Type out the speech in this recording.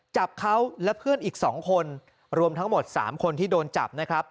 จับเขาและเพื่อนอีก๒คนรวมทั้งหมด๓คนที่โดนจับนะครับ